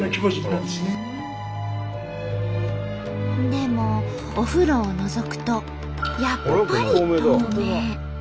でもお風呂をのぞくとやっぱり透明。